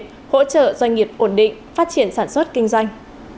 hỗ trợ doanh nghiệp ổn định phát triển sản xuất kinh doanh